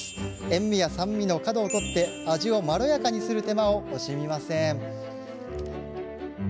塩味や酸味の角を取り味をまろやかにする手間を惜しみません。